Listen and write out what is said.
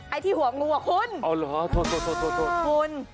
ไอ้ที่หัวงูอ่ะคุณ